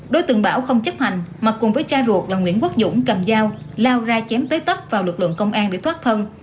đối tượng bảo không chấp hành mà cùng với cha ruột là nguyễn quốc dũng cầm dao lao ra chém tới tấp vào lực lượng công an để thoát thân